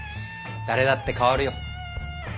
誰だって変わるよ。